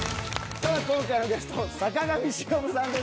さあ今回のゲスト坂上忍さんです。